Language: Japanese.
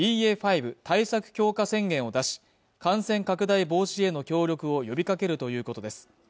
５対策強化宣言を出し感染拡大防止への協力を呼びかけるということです